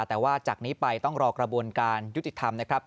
แต่ว่าจากนี้ไปต้องรอกระบวนการยุติธรรมนะครับ